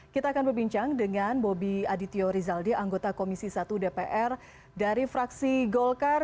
kita akan berbincang dengan bobi adityo rizaldi anggota komisi satu dpr dari fraksi golkar